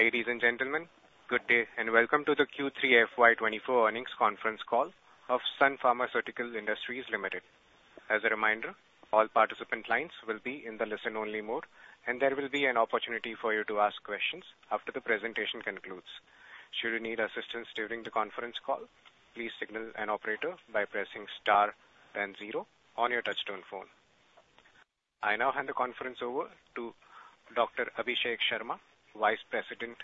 Ladies and gentlemen, good day, and welcome to the Q3 FY'24 earnings conference call of Sun Pharmaceutical Industries Limited. As a reminder, all participant lines will be in the listen-only mode, and there will be an opportunity for you to ask questions after the presentation concludes. Should you need assistance during the conference call, please signal an operator by pressing star then zero on your touchtone phone. I now hand the conference over to Dr. Abhishek Sharma, Vice President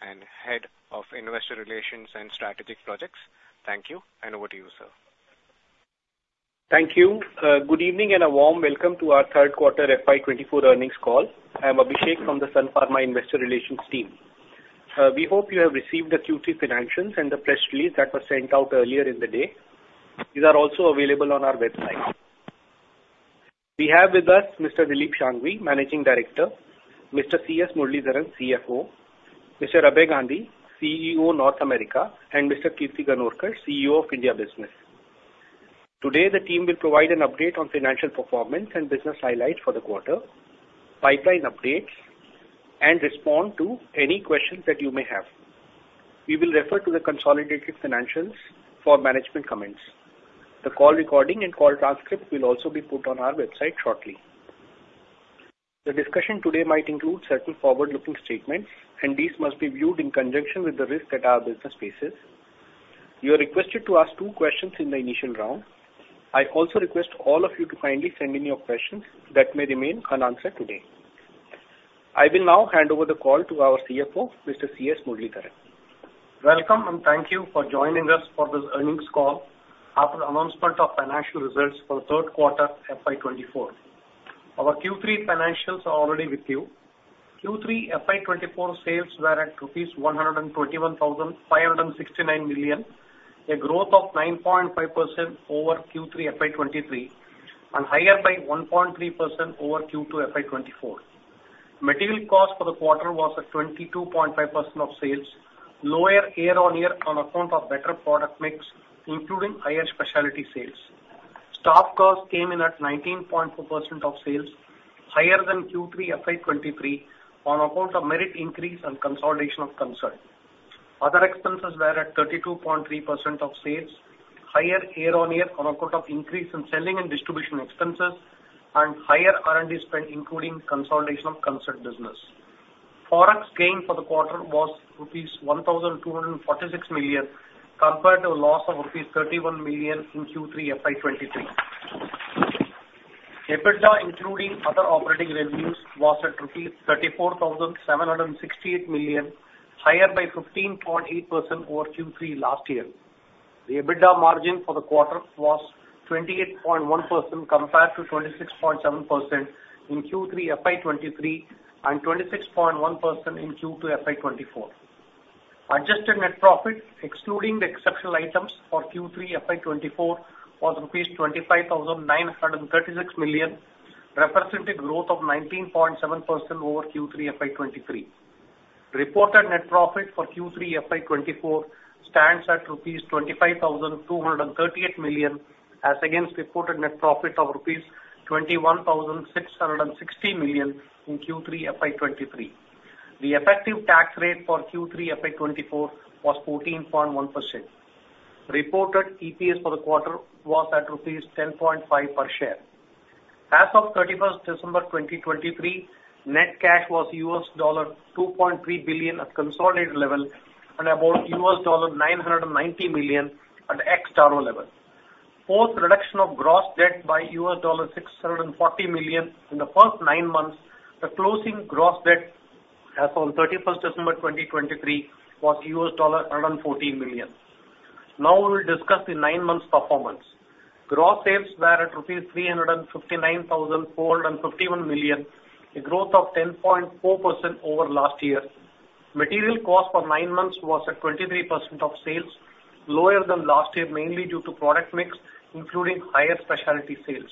and Head of Investor Relations and Strategic Projects. Thank you, and over to you, sir. Thank you. Good evening and a warm welcome to our third quarter FY 24 earnings call. I'm Abhishek from the Sun Pharma Investor Relations team. We hope you have received the Q3 financials and the press release that was sent out earlier in the day. These are also available on our website. We have with us Mr. Dilip Shanghvi, Managing Director, Mr. C.S. Muralidharan, CFO, Mr. Abhay Gandhi, CEO, North America, and Mr. Kirti Ganorkar, CEO of India Business. Today, the team will provide an update on financial performance and business highlights for the quarter, pipeline updates, and respond to any questions that you may have. We will refer to the consolidated financials for management comments. The call recording and call transcript will also be put on our website shortly. The discussion today might include certain forward-looking statements, and these must be viewed in conjunction with the risks that our business faces. You are requested to ask two questions in the initial round. I also request all of you to kindly send in your questions that may remain unanswered today. I will now hand over the call to our CFO, Mr. C.S. Muralidharan. Welcome, and thank you for joining us for this earnings call after the announcement of financial results for the third quarter, FY'24. Our Q3 financials are already with you. Q3 FY'24 sales were at INR 121,569 million, a growth of 9.5% over Q3 FY'23 and higher by 1.3% over Q2 FY'24. Material cost for the quarter was at 22.5% of sales, lower year-on-year on account of better product mix, including higher specialty sales. Staff costs came in at 19.4% of sales, higher than Q3 FY'23 on account of merit increase and consolidation of Concert. Other expenses were at 32.3% of sales, higher year-on-year on account of increase in selling and distribution expenses and higher R&D spend, including consolidation of Concert business. Forex gain for the quarter was rupees 1,246 million, compared to a loss of rupees 31 million in Q3 FY'23. EBITDA, including other operating revenues, was at rupee 34,768 million, higher by 15.8% over Q3 last year. The EBITDA margin for the quarter was 28.1%, compared to 26.7% in Q3 FY'23 and 26.1% in Q2 FY'24. Adjusted net profit, excluding the exceptional items for Q3 FY'24, was rupees 25,936 million, representing growth of 19.7% over Q3 FY'23. Reported net profit for Q3 FY'24 stands at rupees 25,238 million, as against reported net profit of rupees 21,660 million in Q3 FY'23. The effective tax rate for Q3 FY'24 was 14.1%. Reported EPS for the quarter was at rupees 10.5 per share. As of 31st December'23, net cash was $2.3 billion at consolidated level and about $990 million at ex-Taro level. Post reduction of gross debt by $640 million in the first nine months, the closing gross debt as on 31st December'23 was $114 million. Now we will discuss the nine months' performance. Gross sales were at 359,451 million rupees, a growth of 10.4% over last year. Material cost for nine months was at 23% of sales, lower than last year, mainly due to product mix, including higher specialty sales.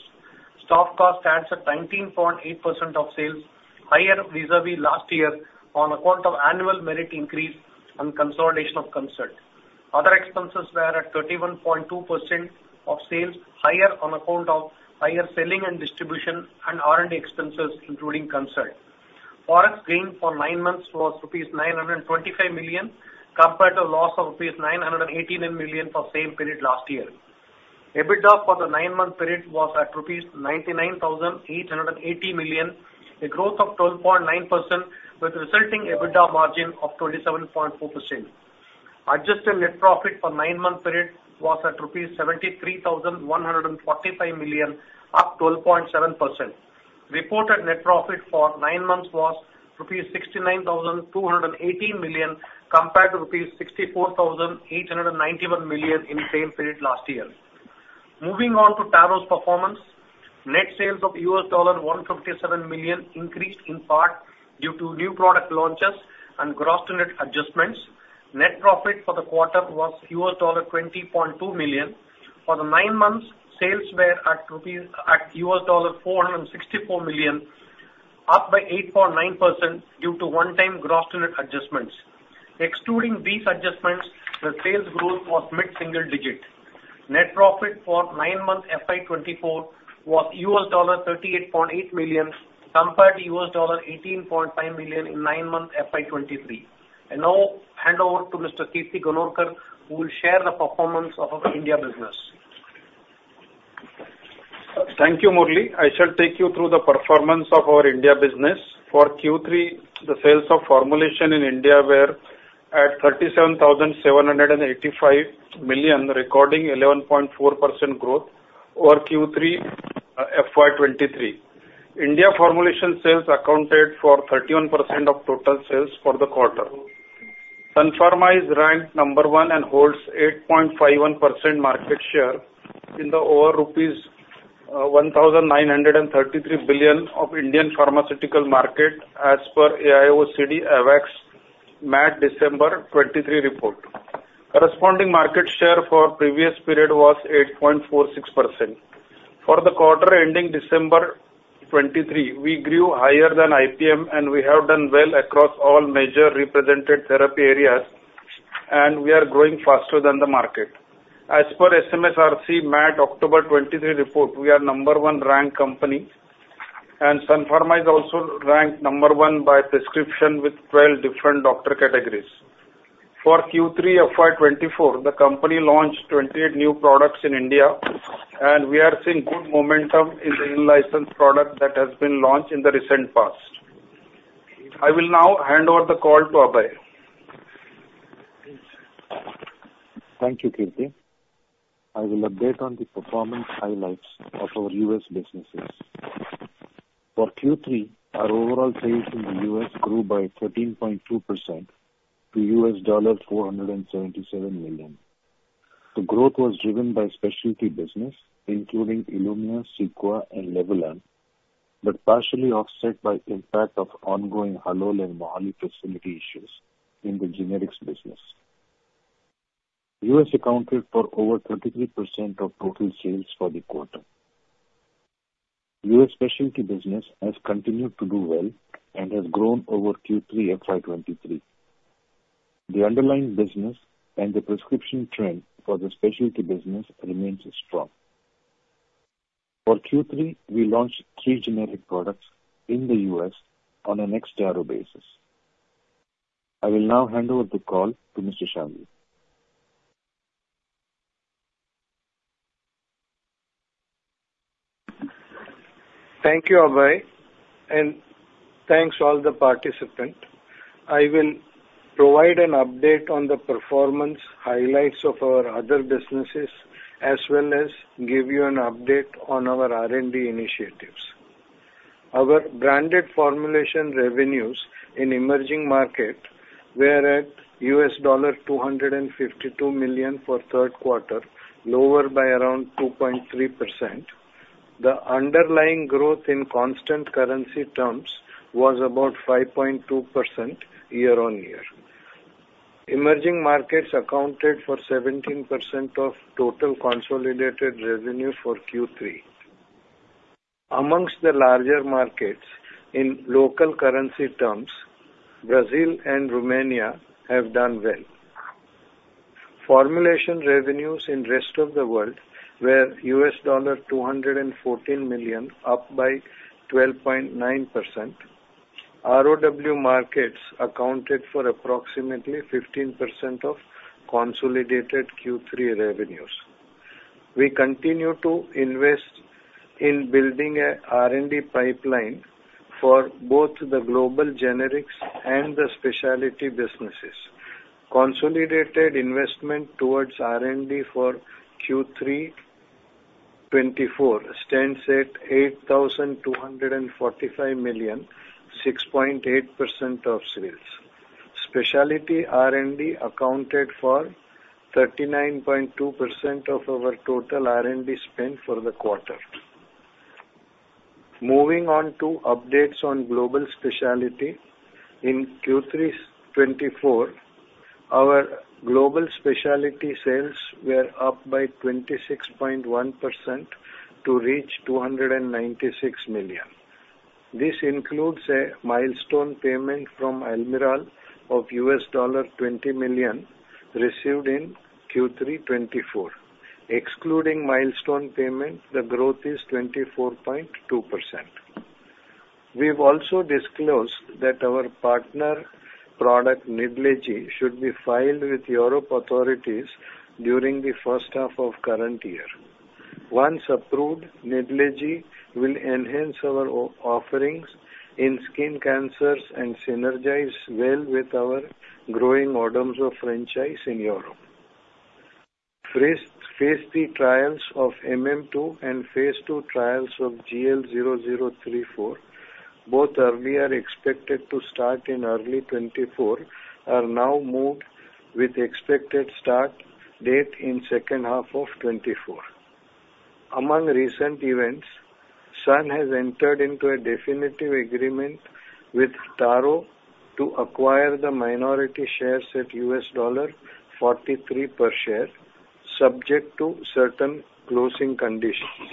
Staff cost stands at 19.8% of sales, higher vis-à-vis last year on account of annual merit increase and consolidation of Concert. Other expenses were at 31.2% of sales, higher on account of higher selling and distribution and R&D expenses, including Concert. Forex gain for nine months was rupees 925 million, compared to a loss of rupees 989 million for same period last year. EBITDA for the nine-month period was at rupees 99,880 million, a growth of 12.9%, with resulting EBITDA margin of 27.4%. Adjusted net profit for nine-month period was at rupees 73,145 million, up 12.7%. Reported net profit for nine months was rupees 69,218 million, compared to rupees 64,891 million in the same period last year. Moving on to Taro's performance. Net sales of $157 million increased in part due to new product launches and gross-to-net adjustments. Net profit for the quarter was $20.2 million. For the nine months, sales were at $464 million, up by 8.9% due to one-time gross-to-net adjustments. Excluding these adjustments, the sales growth was mid-single digit. Net profit for nine-month FY'24 was $38.8 million, compared to $18.5 million in nine-month FY'23. I now hand over to Mr. Kirti Ganorkar, who will share the performance of our India business. Thank you, Murali. I shall take you through the performance of our India business. For Q3, the sales of formulation in India were at 37,785 million, recording 11.4% growth over Q3, FY'23. India formulation sales accounted for 31% of total sales for the quarter. Sun Pharma is ranked number one and holds 8.51% market share in the over rupees 1,933 billion of Indian pharmaceutical market, as per AIOCD AWACS MAT December'23 report. Corresponding market share for previous period was 8.46%. For the quarter ending December'23, we grew higher than IPM, and we have done well across all major represented therapy areas, and we are growing faster than the market. As per SMSRC MAT October'23 report, we are number one ranked company, and Sun Pharma is also ranked number one by prescription with 12 different doctor categories. For Q3 FY'24, the company launched 28 new products in India, and we are seeing good momentum in the in-license product that has been launched in the recent past. I will now hand over the call to Abhay. Thank you, Kirti. I will update on the performance highlights of our U.S. businesses. For Q3, our overall sales in the U.S. grew by 13.2% to $477 million. The growth was driven by specialty business, including ILUMYA, CEQUA, and Winlevi, but partially offset by impact of ongoing Halol and Mohali facility issues in the generics business. U.S. accounted for over 33% of total sales for the quarter. U.S. specialty business has continued to do well and has grown over Q3 FY'23. The underlying business and the prescription trend for the specialty business remains strong. For Q3, we launched three generic products in the U.S. on an ex-Taro basis. I will now hand over the call to Mr. Shanghvi. Thank you, Abhay, and thanks all the participants. I will provide an update on the performance highlights of our other businesses, as well as give you an update on our R&D initiatives. Our branded formulation revenues in emerging market were at $252 million for third quarter, lower by around 2.3%. The underlying growth in constant currency terms was about 5.2% year-on-year. Emerging markets accounted for 17% of total consolidated revenue for Q3. Amongst the larger markets, in local currency terms, Brazil and Romania have done well. Formulation revenues in rest of the world were $214 million, up by 12.9%. ROW markets accounted for approximately 15% of consolidated Q3 revenues. We continue to invest in building a R&D pipeline for both the global generics and the specialty businesses. Consolidated investment towards R&D for Q3'24 stands at 8,245 million, 6.8% of sales. Specialty R&D accounted for 39.2% of our total R&D spend for the quarter. Moving on to updates on global specialty. In Q3'24, our Global Specialty sales were up by 26.1% to reach $296 million. This includes a milestone payment from Almirall of $20 million, received in Q3'24. Excluding milestone payment, the growth is 24.2%. We've also disclosed that our partner product, Nidlegy, should be filed with European authorities during the first half of current year. Once approved, Nidlegy will enhance our oncology offerings in skin cancers and synergize well with our growing Odomzo franchise in Europe. Phase III trials of MM-II and Phase II trials of GL0034, both are expected to start in early'24, are now moved with expected start date in second half of'24. Among recent events, Sun has entered into a definitive agreement with Taro to acquire the minority shares at $43 per share, subject to certain closing conditions.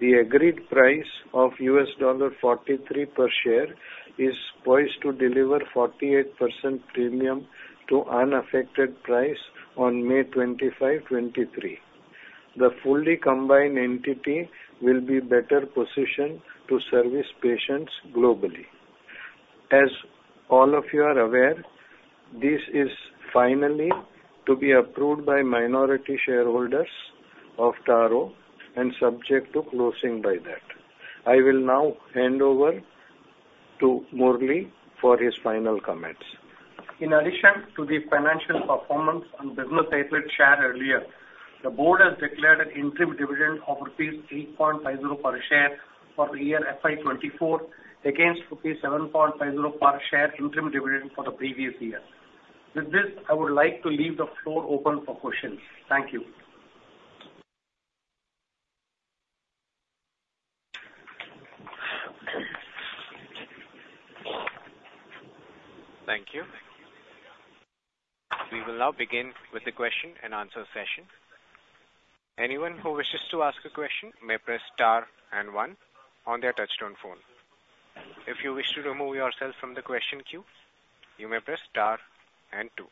The agreed price of $43 per share is poised to deliver 48% premium to unaffected price on May 25,'23. The fully combined entity will be better positioned to service patients globally. As all of you are aware, this is finally to be approved by minority shareholders of Taro and subject to closing by that. I will now hand over to Murali for his final comments. In addition to the financial performance and business highlights shared earlier, the board has declared an interim dividend of rupees 3.50 per share for the year FY'24, against rupees 7.50 per share interim dividend for the previous year. With this, I would like to leave the floor open for questions. Thank you. Thank you. We will now begin with the question and answer session. Anyone who wishes to ask a question may press star and one on their touchtone phone. If you wish to remove yourself from the question queue, you may press star and two.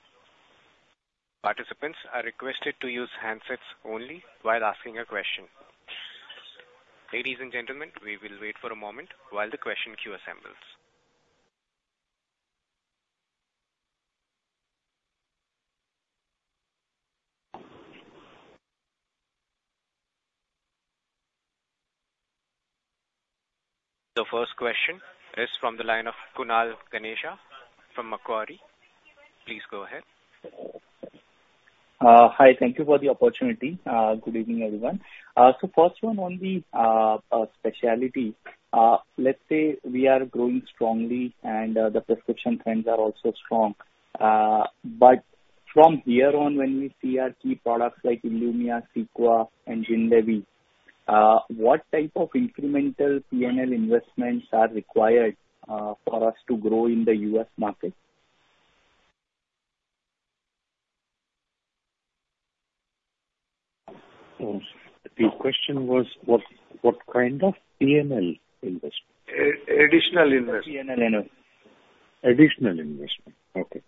Participants are requested to use handsets only while asking a question. Ladies and gentlemen, we will wait for a moment while the question queue assembles. The first question is from the line of Kunal Dhamesha from Macquarie. Please go ahead. Hi, thank you for the opportunity. Good evening, everyone. So first one on the specialty. Let's say we are growing strongly and the prescription trends are also strong. But from here on, when we see our key products like ILUMYA, CEQUA, and Winlevi, what type of incremental PNL investments are required for us to grow in the U.S. market? The question was what, what kind of PNL investment? Additional investment. PNL. Additional investment. Okay.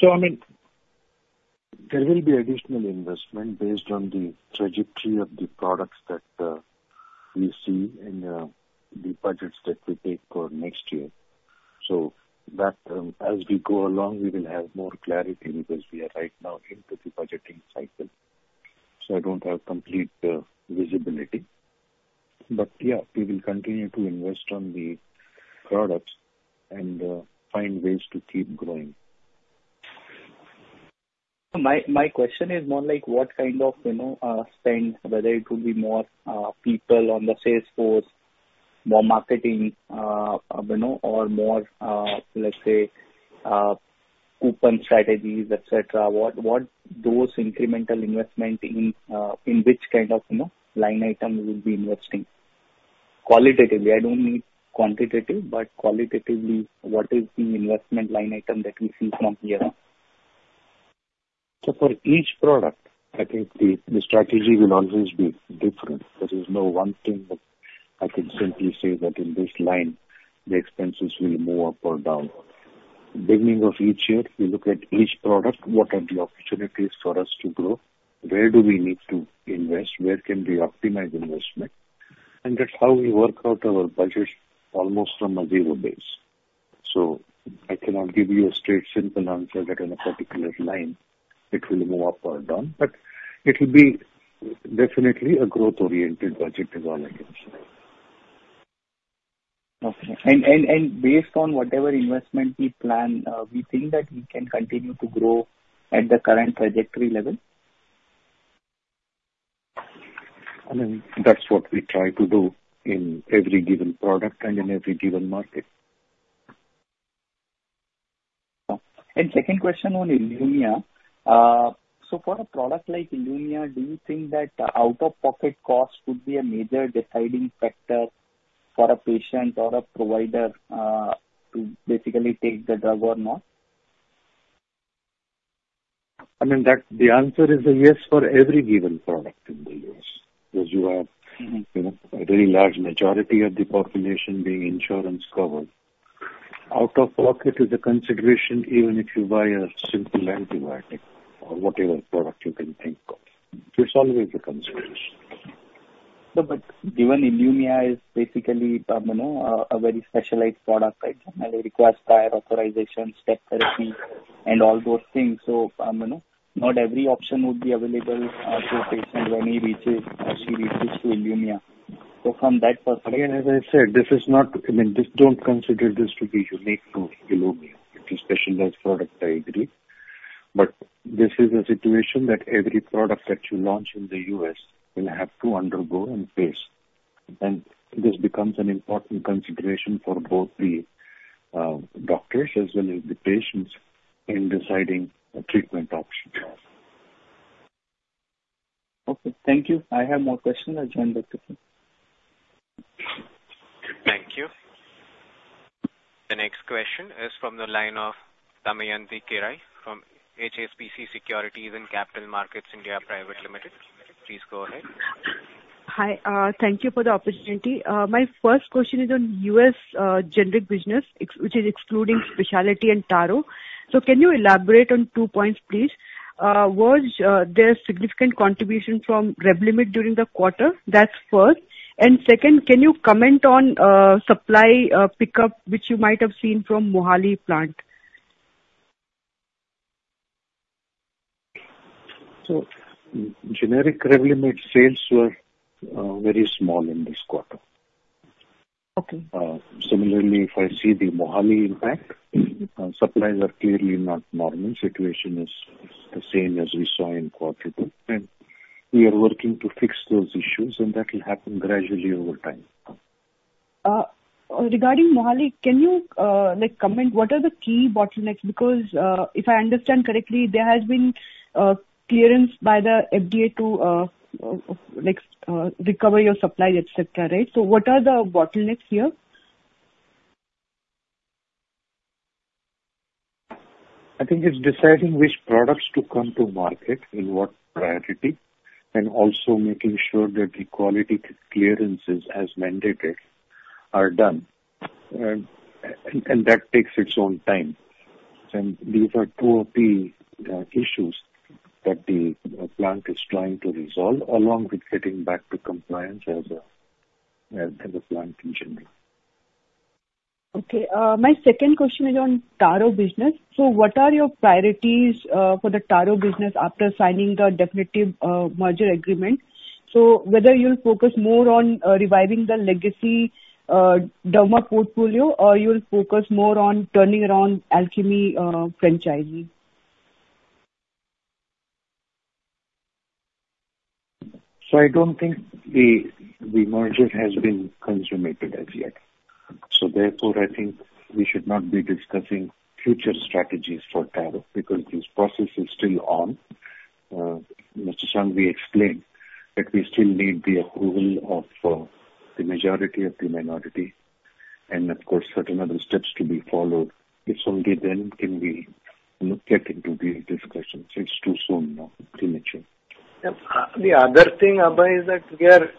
So, I mean, there will be additional investment based on the trajectory of the products that we see in the budgets that we take for next year. So that, as we go along, we will have more clarity because we are right now into the budgeting cycle, so I don't have complete visibility. But, yeah, we will continue to invest on the products and find ways to keep growing. My, my question is more like what kind of, you know, spend, whether it would be more, people on the sales force, more marketing, you know, or more, let's say, coupon strategies, et cetera. What, what those incremental investment in, in which kind of, you know, line item will be investing? Qualitatively, I don't need quantitative, but qualitatively, what is the investment line item that we see from here on? For each product, I think the strategy will always be different. There is no one thing that I can simply say that in this line, the expenses will move up or down. Beginning of each year, we look at each product, what are the opportunities for us to grow? Where do we need to invest? Where can we optimize investment? That's how we work out our budgets almost from a zero base. I cannot give you a straight simple answer that in a particular line it will move up or down, but it'll be definitely a growth-oriented budget is all I can say. Okay. And based on whatever investment we plan, we think that we can continue to grow at the current trajectory level? I mean, that's what we try to do in every given product and in every given market. Second question on ILUMYA. For a product like ILUMYA, do you think that out-of-pocket cost could be a major deciding factor for a patient or a provider, to basically take the drug or not? I mean, that's the answer is a yes for every given product in the U.S., because you have, you know, a very large majority of the population being insurance covered. Out-of-pocket is a consideration even if you buy a simple antibiotic or whatever product you can think of. It's always a consideration. No, but given ILUMYA is basically, you know, a very specialized product, right? And it requires prior authorization, step therapy and all those things. So, you know, not every option would be available to a patient when he reaches or she reaches to ILUMYA. So from that perspective- Yeah, as I said, this is not... I mean, just don't consider this to be unique to ILUMYA. It's a specialized product, I agree. But this is a situation that every product that you launch in the U.S. will have to undergo and face, and this becomes an important consideration for both the doctors as well as the patients in deciding a treatment option. Okay. Thank you. I have no question. I join the people. The next question is from the line of Damayanti Kerai from HSBC Securities and Capital Markets India Private Limited. Please go ahead. Hi. Thank you for the opportunity. My first question is on U.S. generic business, ex- which is excluding Specialty and Taro. So can you elaborate on two points, please? Was there significant contribution from REVLIMID during the quarter? That's first. And second, can you comment on supply pickup, which you might have seen from Mohali plant? Generic REVLIMID sales were very small in this quarter. Okay. Similarly, if I see the Mohali impact, supplies are clearly not normal. Situation is the same as we saw in quarter two, and we are working to fix those issues, and that will happen gradually over time. Regarding Mohali, can you like comment what are the key bottlenecks? Because if I understand correctly, there has been clearance by the FDA to recover your supply, et cetera, right? What are the bottlenecks here? I think it's deciding which products to come to market, in what priority, and also making sure that the quality clearances as mandated are done, and that takes its own time. And these are two of the issues that the plant is trying to resolve, along with getting back to compliance as a plant in general. Okay. My second question is on Taro business. So what are your priorities for the Taro business after signing the definitive merger agreement? So whether you'll focus more on reviving the legacy derma portfolio, or you'll focus more on turning around Alchemy franchise? So I don't think the merger has been consummated as yet. So therefore, I think we should not be discussing future strategies for Taro, because this process is still on. Mr. Shanghvi explained that we still need the approval of the majority of the minority, and of course, certain other steps to be followed. It's only then can we get into the discussions. It's too soon now, premature. The other thing, Abhay, is that we are,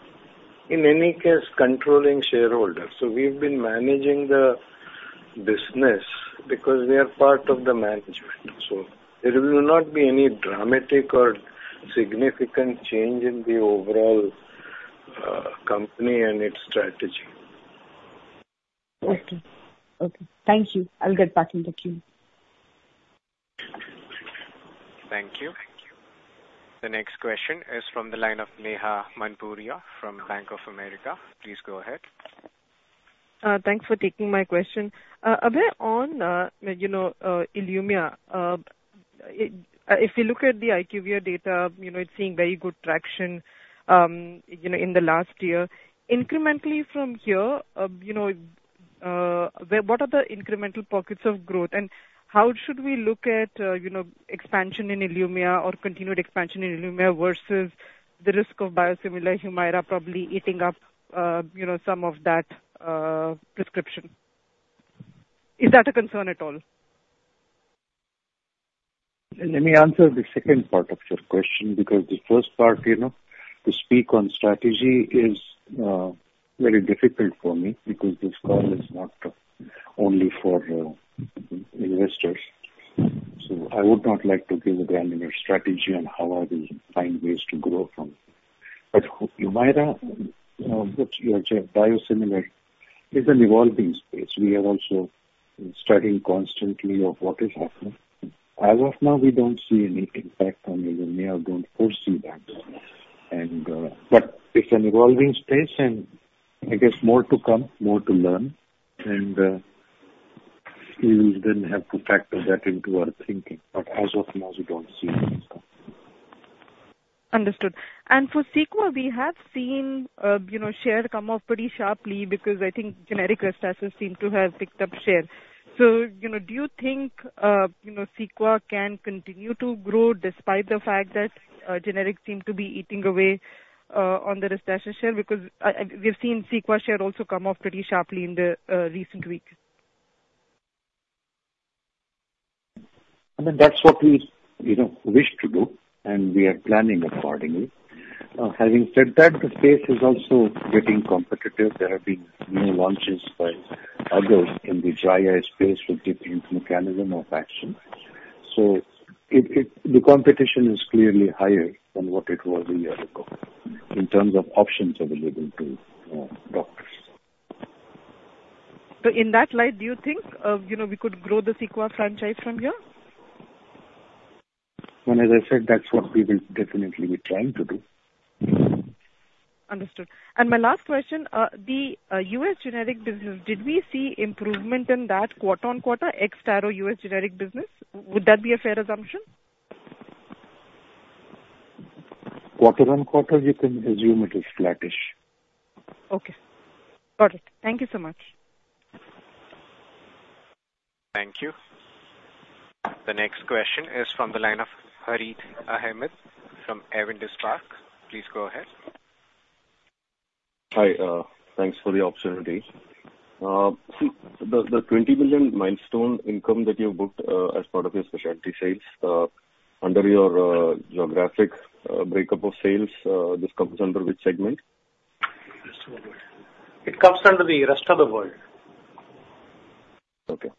in any case, controlling shareholders, so we've been managing the business because we are part of the management. So there will not be any dramatic or significant change in the overall company and its strategy. Okay. Okay. Thank you. I'll get back in the queue. Thank you. The next question is from the line of Neha Manpuria from Bank of America. Please go ahead. Thanks for taking my question. Abhay, on, you know, ILUMYA, if you look at the IQVIA data, you know, it's seeing very good traction, you know, in the last year. Incrementally from here, you know, where, what are the incremental pockets of growth, and how should we look at, you know, expansion in ILUMYA or continued expansion in ILUMYA versus the risk of biosimilar Humira probably eating up, you know, some of that, prescription? Is that a concern at all? Let me answer the second part of your question, because the first part, you know, to speak on strategy is very difficult for me, because this call is not only for investors. So I would not like to give a granular strategy on how I will find ways to grow from. But Humira, which you said biosimilar, is an evolving space. We are also studying constantly of what is happening. As of now, we don't see any impact on ILUMYA. We don't foresee that. But it's an evolving space, and I guess more to come, more to learn, and we will then have to factor that into our thinking. But as of now, we don't see any impact. Understood. And for CEQUA, we have seen, you know, share come off pretty sharply because I think generic Restasis seem to have picked up share. So, you know, do you think, you know, CEQUA can continue to grow despite the fact that, generics seem to be eating away, on the Restasis share? Because, we've seen CEQUA share also come off pretty sharply in the, recent weeks. Then that's what we, you know, wish to do, and we are planning accordingly. Having said that, the space is also getting competitive. There have been new launches by others in the dry eye space with different mechanism of action. So it, the competition is clearly higher than what it was a year ago in terms of options available to doctors. In that light, do you think, you know, we could grow the CEQUA franchise from here? Well, as I said, that's what we will definitely be trying to do. Understood. My last question, the U.S. generic business, did we see improvement in that quarter-over-quarter, ex Taro U.S. generic business? Would that be a fair assumption? Quarter-on-quarter, you can assume it is flattish. Okay. Got it. Thank you so much. Thank you. The next question is from the line of Harith Ahamed from Avendus Spark. Please go ahead. Hi, thanks for the opportunity. So the 20 million milestone income that you booked, as part of your specialty sales, under your geographic breakup of sales, this comes under which segment? It comes under the rest of the world. Okay.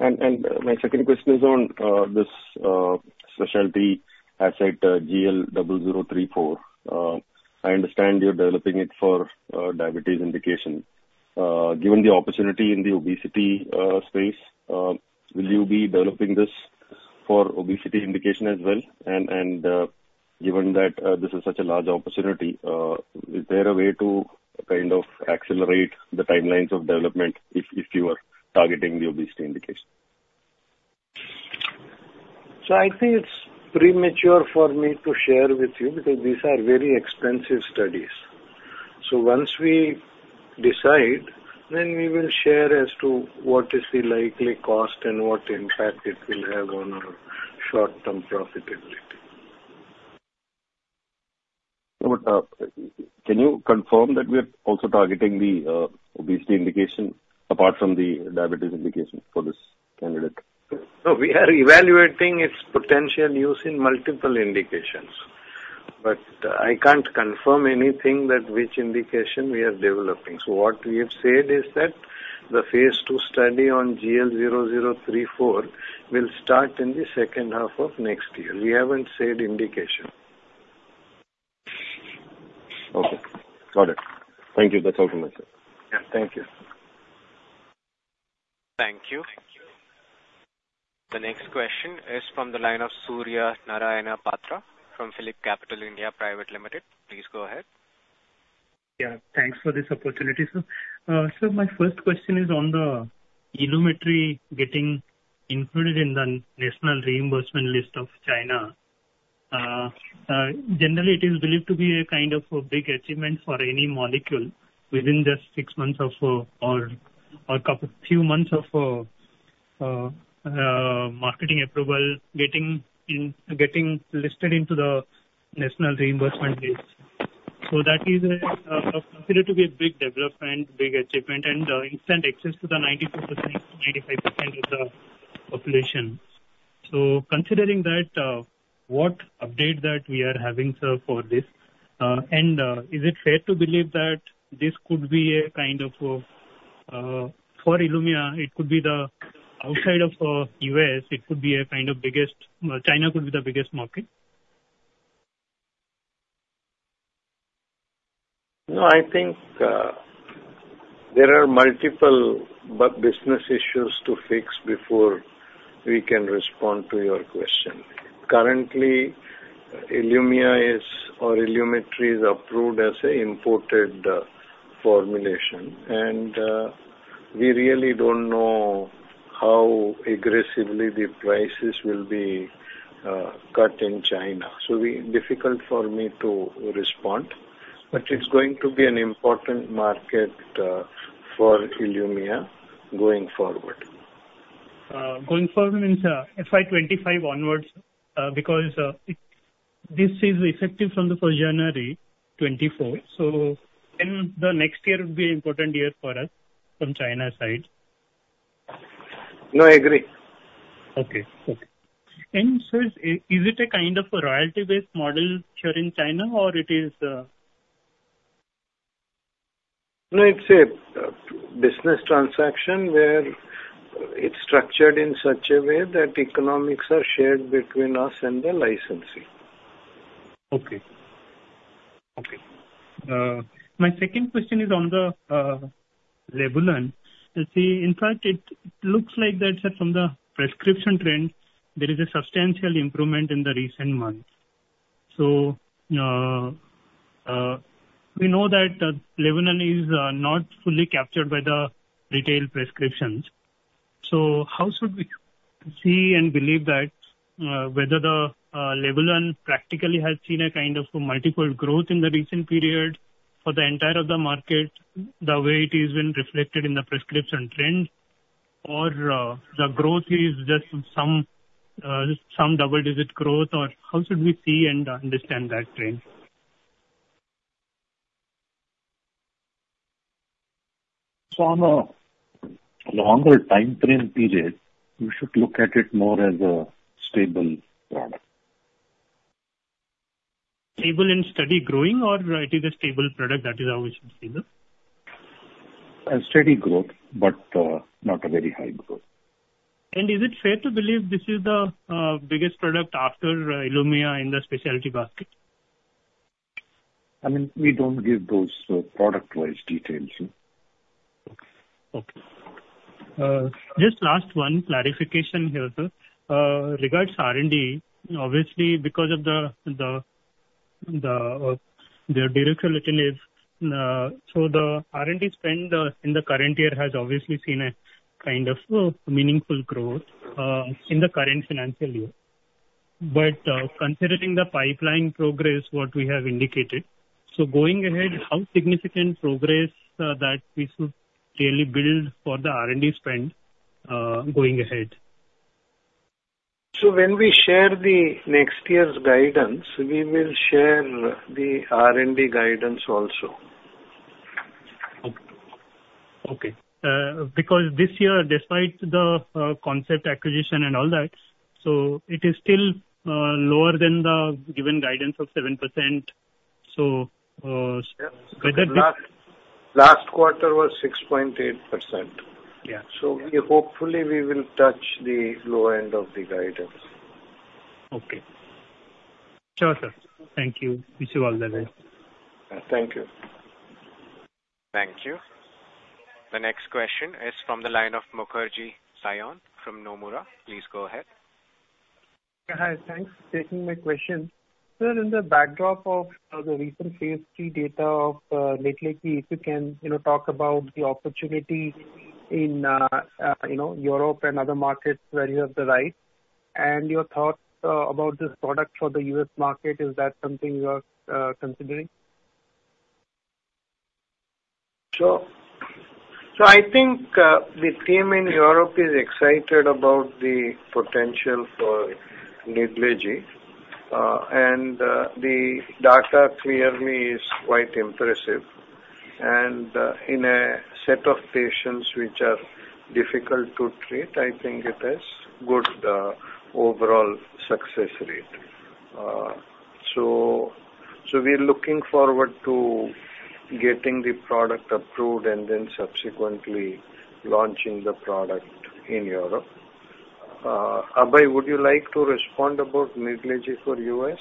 And, and my second question is on, this, specialty asset, GL0034. I understand you're developing it for, diabetes indication. Given the opportunity in the obesity, space, will you be developing this for obesity indication as well? And, and, given that, this is such a large opportunity, is there a way to kind of accelerate the timelines of development if, you are targeting the obesity indication? I think it's premature for me to share with you, because these are very expensive studies. Once we decide, then we will share as to what is the likely cost and what impact it will have on our short-term profitability. Can you confirm that we are also targeting the obesity indication apart from the diabetes indication for this candidate? No, we are evaluating its potential use in multiple indications, but I can't confirm anything that which indication we are developing. So what we have said is that the Phase II study on GL0034 will start in the second half of next year. We haven't said indication. Okay, got it. Thank you. That's all for myself. Yeah. Thank you. Thank you. The next question is from the line of Surya Narayan Patra from PhillipCapitalIndia Private Limited. Please go ahead. Yeah, thanks for this opportunity, sir. So my first question is on the Ilumetri getting included in the national reimbursement list of China. Generally, it is believed to be a kind of a big achievement for any molecule within just six months of, or, or a couple few months of, marketing approval, getting in, getting listed into the national reimbursement list. So that is considered to be a big development, big achievement, and instant access to the 94%, 95% of the population. So considering that, what update that we are having, sir, for this? And is it fair to believe that this could be a kind of for ILUMYA, it could be the outside of U.S., it could be a kind of biggest... China could be the biggest market? No, I think, there are multiple but business issues to fix before we can respond to your question. Currently, ILUMYA is, or Ilumetri is approved as an imported formulation, and we really don't know how aggressively the prices will be cut in China. So be difficult for me to respond, but it's going to be an important market for ILUMYA going forward. Going forward means, FY 25 onwards, because, it, this is effective from the first January'24, so then the next year will be an important year for us from China side. No, I agree. Okay. Okay. And so is it a kind of a royalty-based model here in China, or it is? No, it's a business transaction where it's structured in such a way that economics are shared between us and the licensee. Okay. Okay. My second question is on the REVLIMID. Let's see, in fact, it looks like that from the prescription trend, there is a substantial improvement in the recent months. So, we know that REVLIMID is not fully captured by the retail prescriptions. So how should we see and believe that whether the REVLIMID practically has seen a kind of multiple growth in the recent period for the entire of the market, the way it has been reflected in the prescription trend, or the growth is just some some double-digit growth, or how should we see and understand that trend? On a longer timeframe period, you should look at it more as a stable product. Stable and steady growing, or it is a stable product, that is how we should see that? A steady growth, but, not a very high growth. Is it fair to believe this is the biggest product after ILUMYA in the specialty basket? I mean, we don't give those product-wise details. Okay. Just last one clarification here, sir. Regards R&D, obviously, because of the direct relationship, so the R&D spend in the current year has obviously seen a kind of meaningful growth in the current financial year. But, considering the pipeline progress, what we have indicated, so going ahead, how significant progress that we should really build for the R&D spend going ahead? So when we share the next year's guidance, we will share the R&D guidance also. Okay. Because this year, despite the Concert acquisition and all that, so it is still lower than the given guidance of 7%. So- Yeah. Last quarter was 6.8%. Yeah. Hopefully we will touch the lower end of the guidance. Okay. Sure, sir. Thank you. Wish you all the best. Thank you. Thank you. The next question is from the line of Saion Mukherjee from Nomura. Please go ahead. Hi. Thanks for taking my question. Sir, in the backdrop of the recent Phase III data of Nidlegy, if you can, you know, talk about the opportunity in, you know, Europe and other markets where you have the right, and your thoughts about this product for the U.S. market. Is that something you are considering? Sure. So I think the team in Europe is excited about the potential for Nidlegy, and the data clearly is quite impressive. And in a set of patients which are difficult to treat, I think it has good overall success rate. So we're looking forward to getting the product approved and then subsequently launching the product in Europe. Abhay, would you like to respond about Nidlegy for U.S.?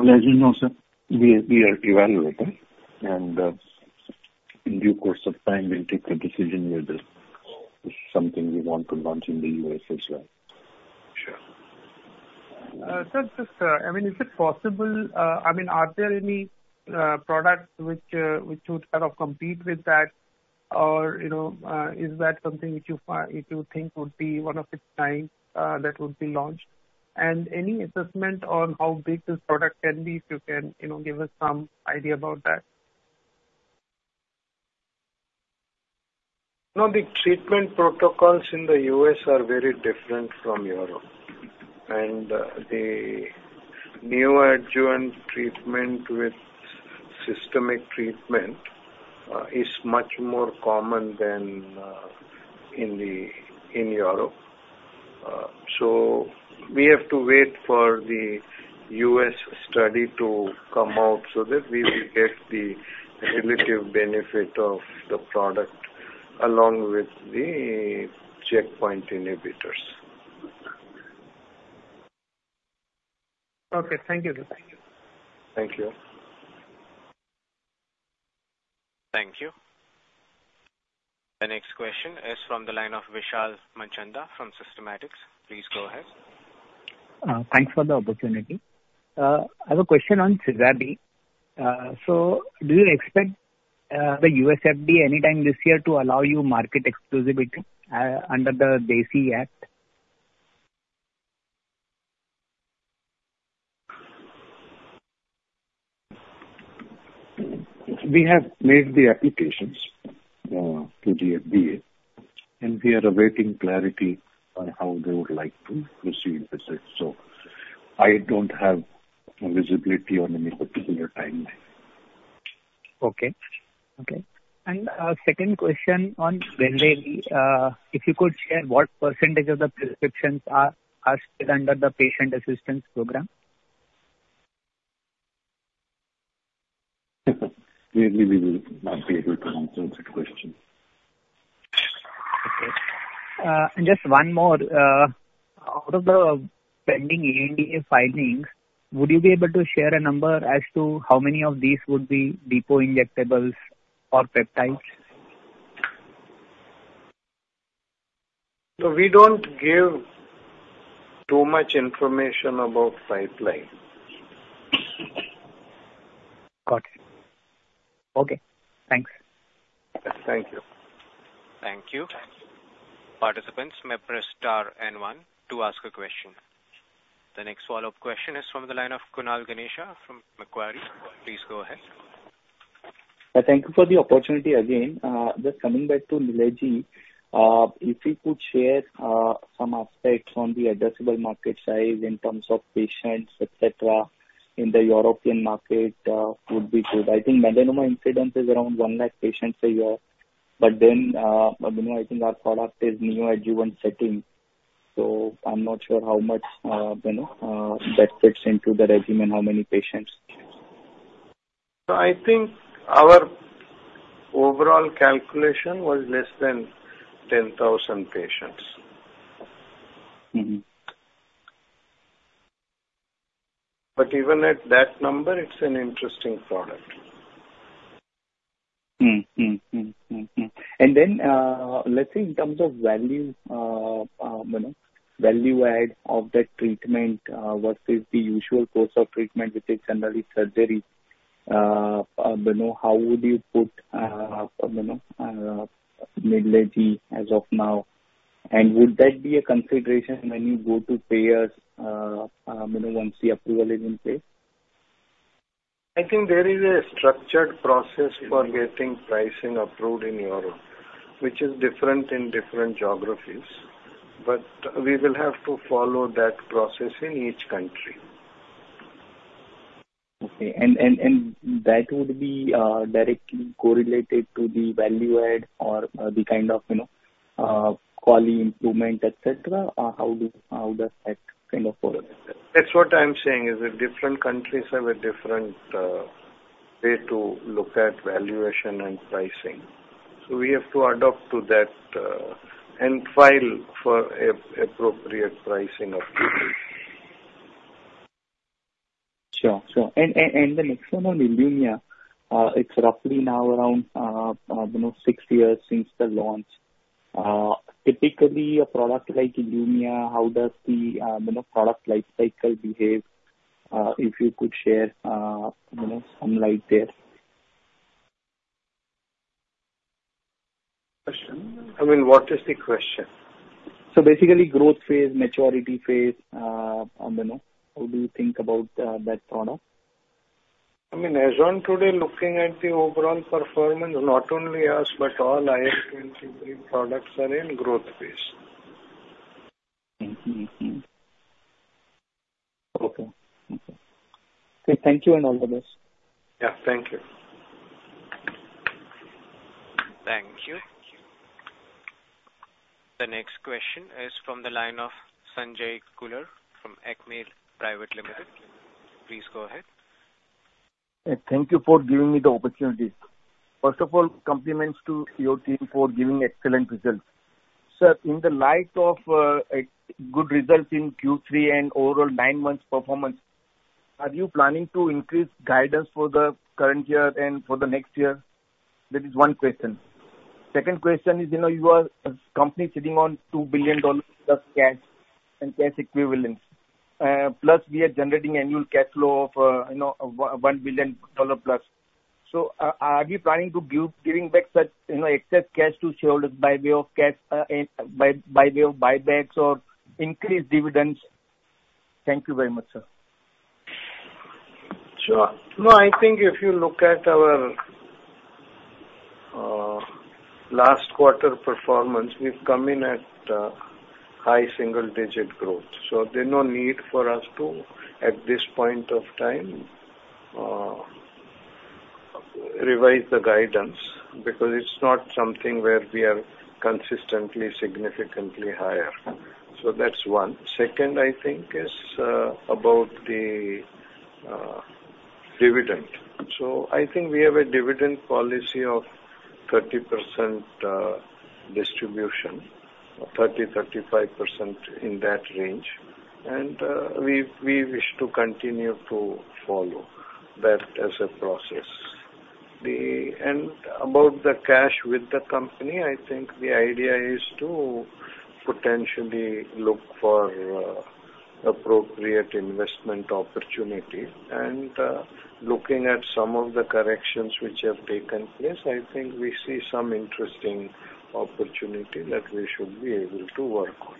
As you know, sir, we are evaluating, and in due course of time we'll take a decision whether it's something we want to launch in the U.S. as well. Sure. So, just, I mean, is it possible... I mean, are there any products which would kind of compete with that? Or, you know, is that something which you find—you think would be one of its kind, that would be launched? And any assessment on how big this product can be, if you can, you know, give us some idea about that. No, the treatment protocols in the U.S. are very different from Europe. The neoadjuvant treatment with systemic treatment is much more common than in Europe. So we have to wait for the U.S. study to come out so that we will get the relative benefit of the product, along with the checkpoint inhibitors. Okay. Thank you. Thank you. Thank you. The next question is from the line of Vishal Manchanda from Systematix. Please go ahead. Thanks for the opportunity. I have a question on Sezaby. So do you expect the U.S. FDA anytime this year to allow you market exclusivity under the DACE Act? We have made the applications to the FDA, and we are awaiting clarity on how they would like to proceed with it, so I don't have visibility on any particular timeline. Okay. Okay. And, second question on Winlevi. If you could share, what percentage of the prescriptions are still under the patient assistance program? Maybe we will not be able to answer that question. Okay. Just one more. Out of the pending ANDA filings, would you be able to share a number as to how many of these would be depot injectables or peptides? We don't give too much information about pipeline. Got it. Okay, thanks. Thank you. Thank you. Participants may press star and one to ask a question. The next follow-up question is from the line of Kunal Dhamesha from Macquarie. Please go ahead. Thank you for the opportunity again. Just coming back to Nidlegy. If you could share some aspects on the addressable market size in terms of patients, et cetera, in the European market, would be good. I think melanoma incidence is around 100,000 patients a year, but then, you know, I think our product is neoadjuvant setting, so I'm not sure how much, you know, that fits into the regimen, how many patients? I think our overall calculation was less than 10,000 patients. Mm-hmm. But even at that number, it's an interesting product. And then, let's say in terms of value, you know, value add of that treatment, versus the usual course of treatment, which is generally surgery, you know, how would you put, you know, Nidlegy as of now? And would that be a consideration when you go to payers, you know, once the approval is in place?... I think there is a structured process for getting pricing approved in Europe, which is different in different geographies, but we will have to follow that process in each country. Okay. And that would be directly correlated to the value add or the kind of, you know, quality improvement, et cetera, or how does that kind of follow? That's what I'm saying, is that different countries have a different way to look at valuation and pricing. So we have to adapt to that, and file for appropriate pricing of people. Sure, sure. And the next one on ILUMYA, it's roughly now around, you know, six years since the launch. Typically a product like ILUMYA, how does the, you know, product life cycle behave? If you could share, you know, some light there. Question. I mean, what is the question? So basically, growth phase, maturity phase, you know, how do you think about that product? I mean, as on today, looking at the overall performance, not only us, but all IL-23 products are in growth phase. Mm-hmm, mm-hmm. Okay. Okay. Thank you, and all the best. Yeah. Thank you. Thank you. The next question is from the line of Sanjay Kular from Acme Private Limited. Please go ahead. Thank you for giving me the opportunity. First of all, compliments to your team for giving excellent results. Sir, in the light of a good result in Q3 and overall nine months performance, are you planning to increase guidance for the current year and for the next year? That is one question. Second question is, you know, you are a company sitting on $2 billion plus cash and cash equivalents, plus we are generating annual cash flow of, you know, $1 billion plus. So are you planning to give giving back such, you know, excess cash to shareholders by way of cash, in, by, by way of buybacks or increased dividends? Thank you very much, sir. Sure. No, I think if you look at our last quarter performance, we've come in at high single digit growth, so there's no need for us to, at this point of time, revise the guidance, because it's not something where we are consistently, significantly higher. So that's one. Second, I think, is about the dividend. So I think we have a dividend policy of 30% distribution, or 30-35% in that range. And we, we wish to continue to follow that as a process. And about the cash with the company, I think the idea is to potentially look for appropriate investment opportunities. And looking at some of the corrections which have taken place, I think we see some interesting opportunity that we should be able to work on.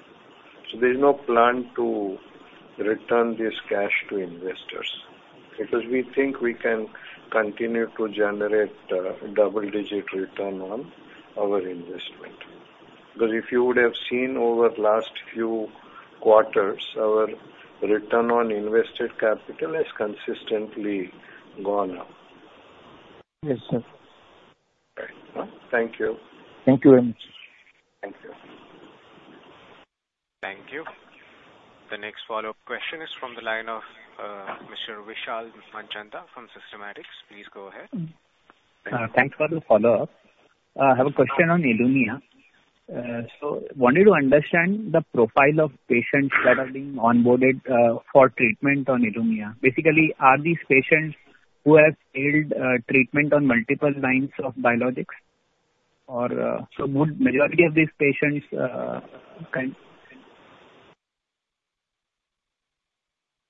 So there's no plan to return this cash to investors, because we think we can continue to generate double digit return on our investment. Because if you would have seen over the last few quarters, our return on invested capital has consistently gone up. Yes, sir. Right. Thank you. Thank you very much. Thank you. Thank you. The next follow-up question is from the line of Mr. Vishal Manchanda from Systematix. Please go ahead. Thanks for the follow-up. I have a question on ILUMYA. So wanted to understand the profile of patients that are being onboarded for treatment on ILUMYA. Basically, are these patients who have failed treatment on multiple lines of biologics? Or, so would majority of these patients kind-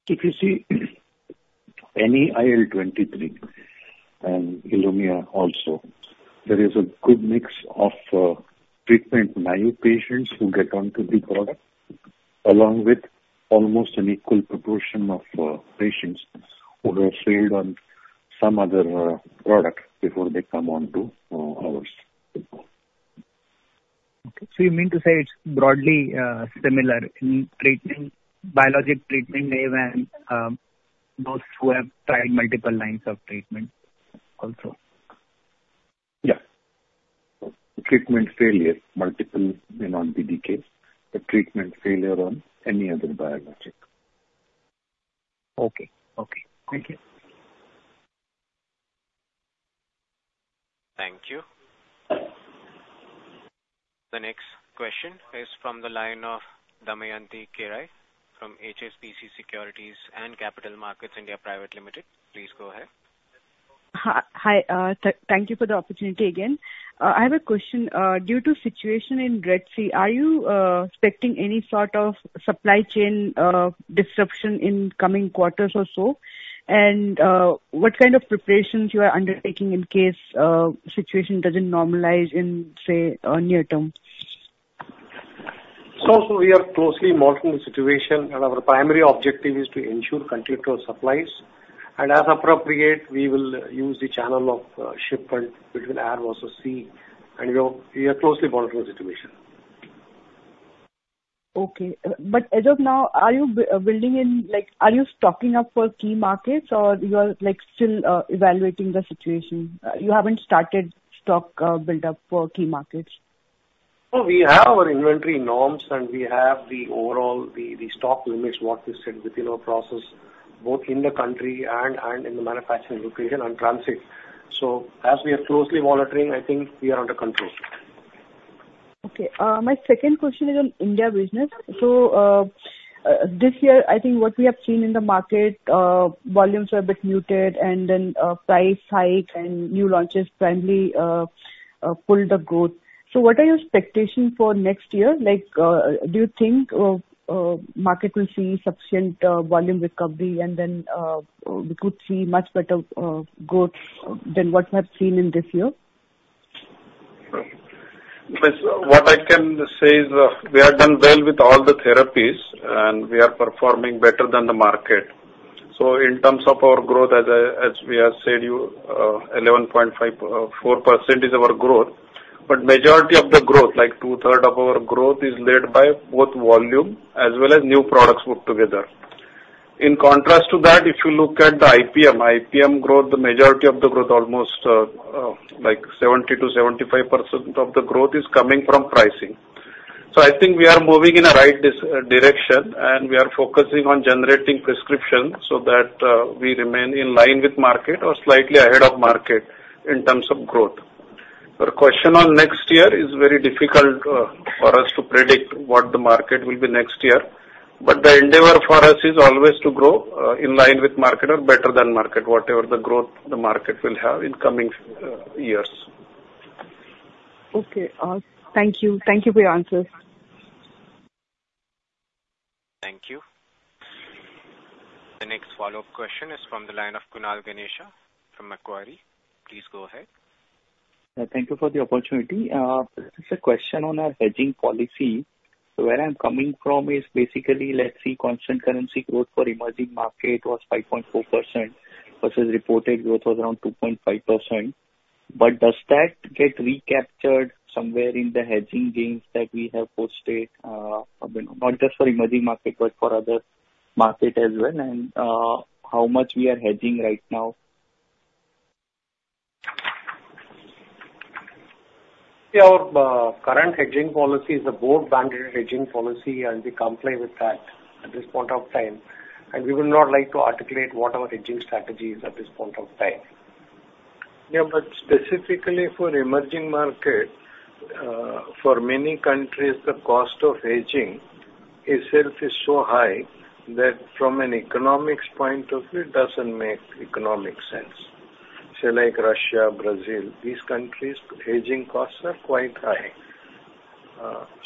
If you see any IL-23 and ILUMYA also, there is a good mix of treatment-naive patients who get onto the product, along with almost an equal proportion of patients who have failed on some other product before they come on to ours. Okay. So you mean to say it's broadly similar in treatment, biologic treatment, naive, and those who have tried multiple lines of treatment also? Yeah. Treatment failure, multiple may not be the case, but treatment failure on any other biologic. Okay. Okay. Thank you. Thank you. The next question is from the line of Damayanti Kerai, from HSBC Securities and Capital Markets India Private Limited. Please go ahead. Hi. Thank you for the opportunity again. I have a question. Due to situation in Red Sea, are you expecting any sort of supply chain disruption in coming quarters or so? And, what kind of preparations you are undertaking in case situation doesn't normalize in, say, near term?... So we are closely monitoring the situation, and our primary objective is to ensure continual supplies, and as appropriate, we will use the channel of shipment between air versus sea, and we are closely monitoring the situation. Okay. But as of now, are you building in, like, are you stocking up for key markets, or you are, like, still evaluating the situation? You haven't started stock build-up for key markets? No, we have our inventory norms, and we have the overall stock limits, what is set within our process, both in the country and in the manufacturing location and transit. So as we are closely monitoring, I think we are under control. Okay, my second question is on India business. So, this year, I think what we have seen in the market, volumes are a bit muted, and then, price hike and new launches finally, pulled the growth. So what are your expectations for next year? Like, do you think, market will see sufficient, volume recovery and then, we could see much better, growth than what we have seen in this year? Yes. What I can say is, we have done well with all the therapies, and we are performing better than the market. So in terms of our growth, as I, as we have said, you, 11.5-4% is our growth, but majority of the growth, like two-thirds of our growth, is led by both volume as well as new products put together. In contrast to that, if you look at the IPM, IPM growth, the majority of the growth, almost, like 70%-75% of the growth, is coming from pricing. So I think we are moving in a right direction, and we are focusing on generating prescriptions so that, we remain in line with market or slightly ahead of market in terms of growth. Your question on next year is very difficult for us to predict what the market will be next year, but the endeavor for us is always to grow in line with market or better than market, whatever the growth the market will have in coming years. Okay. Thank you. Thank you for your answers. Thank you. The next follow-up question is from the line of Kunal Dhamesha from Macquarie. Please go ahead. Thank you for the opportunity. This is a question on our hedging policy. So where I'm coming from is basically, let's see, constant currency growth for emerging market was 5.4% versus reported growth was around 2.5%. But does that get recaptured somewhere in the hedging gains that we have posted, not just for emerging market, but for other market as well, and how much we are hedging right now? Yeah, our current hedging policy is a board-mandated hedging policy, and we comply with that at this point of time, and we would not like to articulate what our hedging strategy is at this point of time. Yeah, but specifically for emerging market, for many countries, the cost of hedging itself is so high that from an economics point of view, it doesn't make economic sense. Say, like Russia, Brazil, these countries, hedging costs are quite high.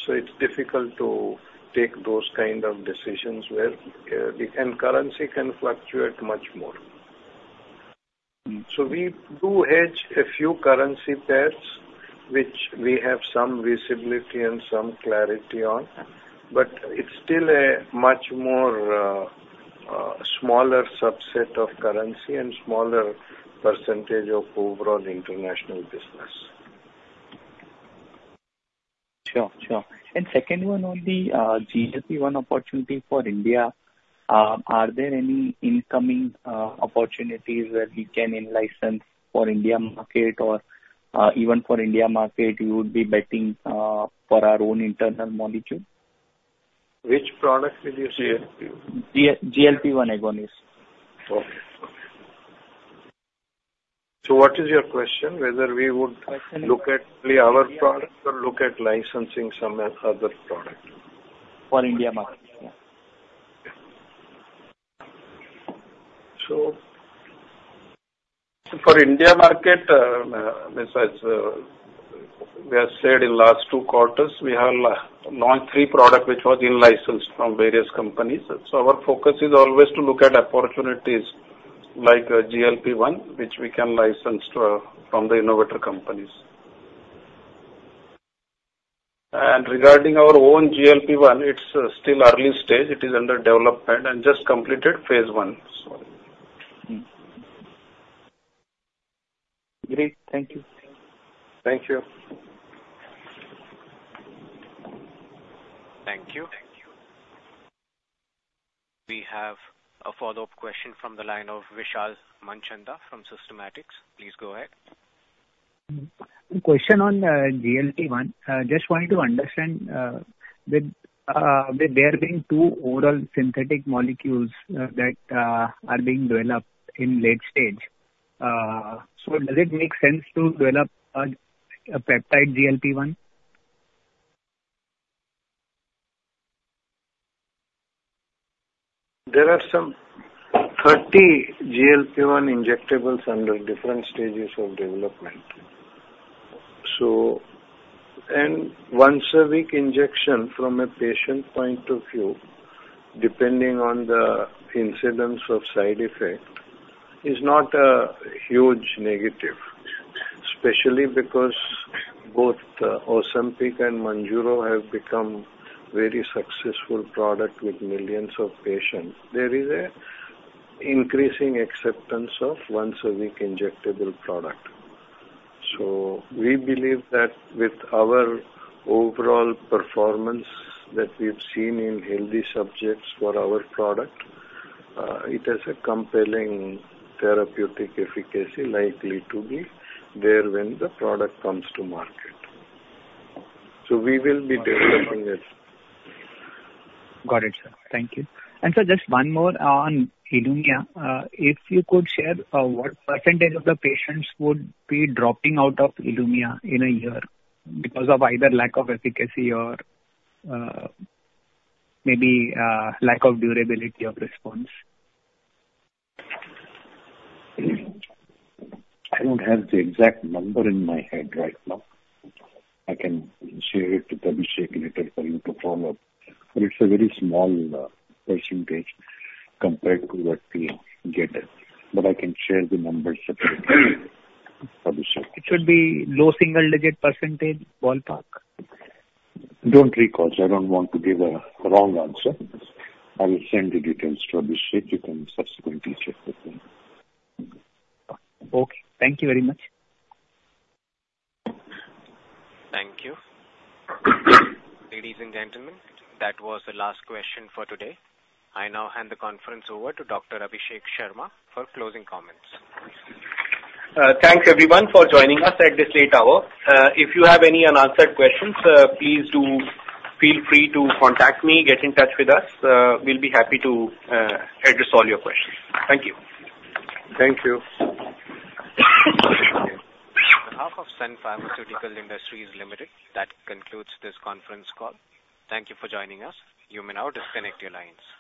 So it's difficult to take those kind of decisions where, and currency can fluctuate much more. Mm. So we do hedge a few currency pairs, which we have some visibility and some clarity on, but it's still a much more smaller subset of currency and smaller percentage of overall international business. Sure, sure. And second one on the, GLP-1 opportunity for India, are there any incoming, opportunities where we can in-license for India market? Or, even for India market, you would be betting, for our own internal molecule? Which product will you say? GL, GLP-1 agonists. Okay. So what is your question? Whether we would look at our products or look at licensing some other product? For India market, yeah. For India market, as we have said in last two quarters, we have launched three product which was in-licensed from various companies. Our focus is always to look at opportunities like GLP-1, which we can license to, from the innovator companies. Regarding our own GLP-1, it's still early stage. It is under development and just completed Phase I. So... Mm. Great. Thank you. Thank you. Thank you. We have a follow-up question from the line of Vishal Manchanda from Systematix. Please go ahead. Question on GLP-1. Just wanted to understand, with there being two oral synthetic molecules that are being developed in late stage, so does it make sense to develop a peptide GLP-1? There are some 30 GLP-1 injectables under different stages of development. Once-a-week injection from a patient point of view, depending on the incidence of side effect, is not a huge negative, especially because both, Ozempic and Mounjaro have become very successful product with millions of patients. There is a increasing acceptance of once-a-week injectable product. We believe that with our overall performance that we've seen in healthy subjects for our product, it has a compelling therapeutic efficacy likely to be there when the product comes to market. We will be developing it. Got it, sir. Thank you. And sir, just one more on ILUMYA. If you could share, what percentage of the patients would be dropping out of ILUMYA in a year because of either lack of efficacy or, maybe, lack of durability of response? I don't have the exact number in my head right now. I can share it to Abhishek later for you to follow up, but it's a very small, percentage compared to what we get. But I can share the numbers separately. Abhishek. It should be low single-digit %, ballpark? Don't recall, sir. I don't want to give a wrong answer. I will send the details to Abhishek, you can subsequently check with him. Okay. Thank you very much. Thank you. Ladies and gentlemen, that was the last question for today. I now hand the conference over to Dr. Abhishek Sharma for closing comments. Thanks, everyone, for joining us at this late hour. If you have any unanswered questions, please do feel free to contact me. Get in touch with us. We'll be happy to address all your questions. Thank you. Thank you. On behalf of Sun Pharmaceutical Industries Limited, that concludes this conference call. Thank you for joining us. You may now disconnect your lines.